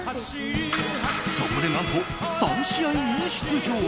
そこで何と、３試合に出場。